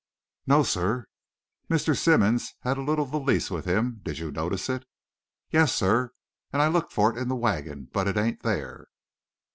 "No, sir." "Mr. Simmonds had a little valise with him did you notice it?" "Yes, sir; and I looked for it in the wagon, but it ain't there."